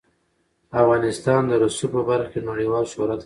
افغانستان د رسوب په برخه کې نړیوال شهرت لري.